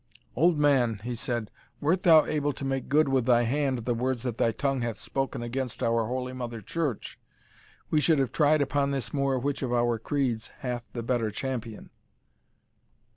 "Old man," he said, "wert thou able to make good with thy hand the words that thy tongue hath spoken against our Holy Mother Church, we should have tried upon this moor which of our creeds hath the better champion."